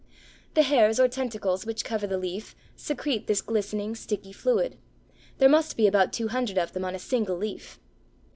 The hairs or tentacles which cover the leaf secrete this glistening, sticky fluid. There must be about two hundred of them on a single leaf.